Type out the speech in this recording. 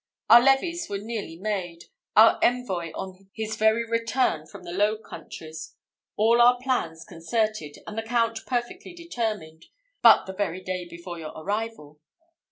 Our levies were nearly made, our envoy on his very return from the Low Countries, all our plans concerted, and the Count perfectly determined, but the very day before your arrival.